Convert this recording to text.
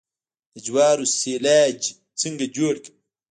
د جوارو سیلاج څنګه جوړ کړم؟